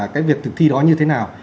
cái việc thực thi đó như thế nào